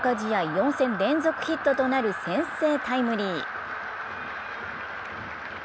４戦連続ヒットとなる先制タイムリー。